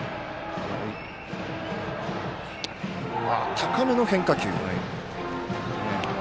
高めの変化球。